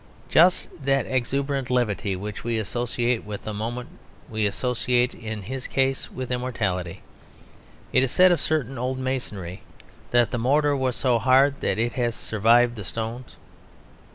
Just that exuberant levity which we associate with a moment we associate in his case with immortality. It is said of certain old masonry that the mortar was so hard that it has survived the stones.